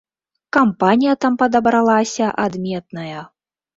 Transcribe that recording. Кампанія там падабралася адметная.